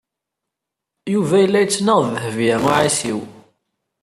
Yuba yella la yettnaɣ d Dehbiya u Ɛisiw.